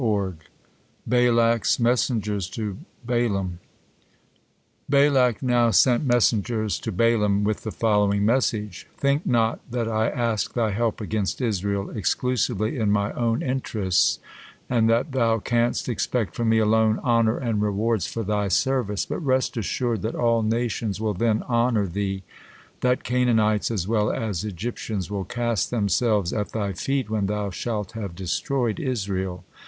BALAK'S MESSENGERS TO BALAAM Balak now sent messengers to Balaam with the following message: "Think not that I ask thy help against Israel exclusively in my own interests, and that thou canst expect from me alone honor and rewards for thy service, but rest assured that all nations will then honor thee, that Canaanites as well as Egyptians will cast themselves at thy feet when thou shalt have destroyed Israel.